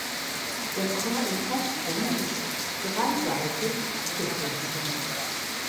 Der Chor im Osten ist dreiseitig abgeschlossen.